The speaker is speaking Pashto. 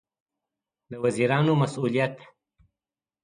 د وزیرانو مسوولیت